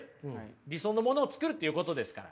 理想のものを作るっていうことですから。